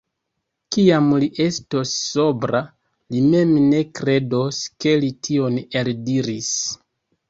Kiam li estos sobra, li mem ne kredos, ke li tion eldiris.